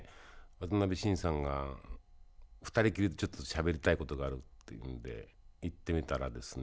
渡辺晋さんが２人きりでちょっとしゃべりたいことがあるっていうんで行ってみたらですね